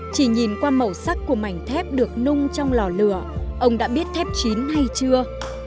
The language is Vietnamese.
chỉ nhìn qua màu sắc của mảnh thép được nung trong lò lửa ông đã biết thép chín hay chưa